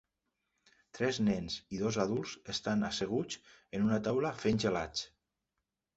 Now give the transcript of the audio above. Tres nens i dos adults estan asseguts en una taula fent gelats